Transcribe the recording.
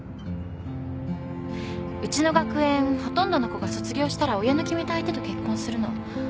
うちの学園ほとんどの子が卒業したら親の決めた相手と結婚するの。